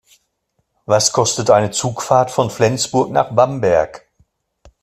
Was kostet eine Zugfahrt von Flensburg nach Bamberg?